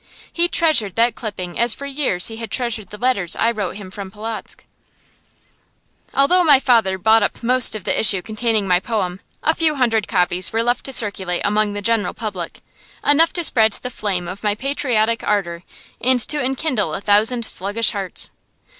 He treasured that clipping as for years he had treasured the letters I wrote him from Polotzk. Although my father bought up most of the issue containing my poem, a few hundred copies were left to circulate among the general public, enough to spread the flame of my patriotic ardor and to enkindle a thousand sluggish hearts.